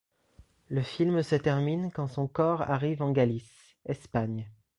Le film se termine quand son corps arrive en Galice, Espagne.